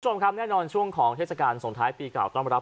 ชวมครับเนี่ยนอนช่วงของเทศกาลส่งท้ายปีเก่าต้องระลับ